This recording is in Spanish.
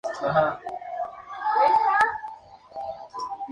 Ello decidió su futuro, pues marchó rumbo a la frontera indígena buscando mejor fortuna.